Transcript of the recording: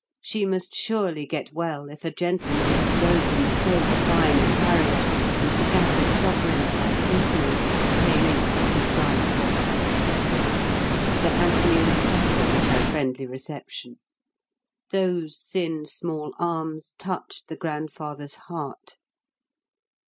She must surely get well if a gentleman who drove in so fine a carriage, and scattered sovereigns like ha'pennies, came in to prescribe for her. Sir Anthony was flattered at her friendly reception. Those thin small arms touched the grandfather's heart.